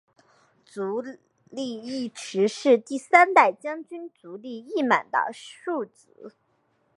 足利义持是第三代将军足利义满的庶子。